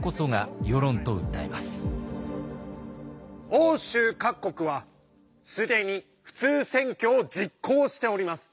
欧州各国は既に普通選挙を実行しております。